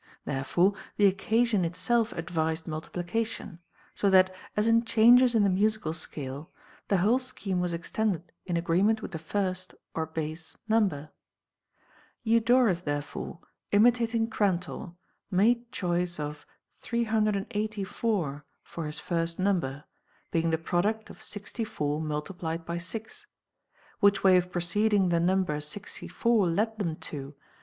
Therefore the occasion itself advised multiplication ; so that, as in changes in the musical scale, the whole scheme was extended in agreement with the first (or base) number. Eudorus therefore, imitating Grantor, made choice of 384 for his first number, being the product of 64 multiplied by 6 ; which way of proceeding the number 64 led them to.